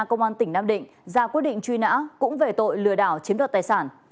công an tỉnh nam định ra quyết định truy nã cũng về tội lừa đảo chiếm đoạt tài sản